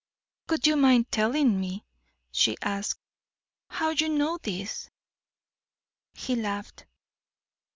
"Would you mind telling me," she asked, "how you know this?" He laughed.